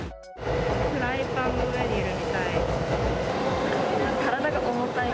フライパンの上にいるみたい。